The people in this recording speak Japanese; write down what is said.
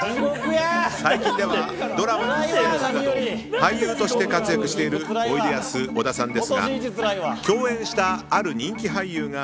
最近ではドラマに出演するなど俳優として活躍しているおいでやす小田さんですが共演したある人気俳優が